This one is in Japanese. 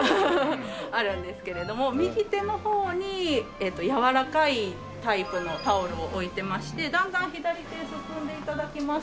フフフあるんですけれども右手の方に柔らかいタイプのタオルを置いていましてだんだん左手へ進んで頂きますと。